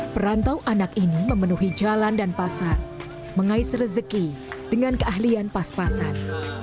perantau anak ini memenuhi jalan dan pasar mengais rezeki dengan keahlian pas pasan